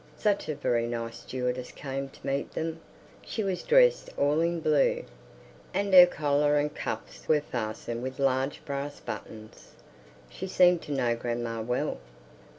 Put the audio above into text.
Such a very nice stewardess came to meet them. She was dressed all in blue, and her collar and cuffs were fastened with large brass buttons. She seemed to know grandma well.